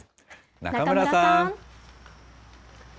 中村さん。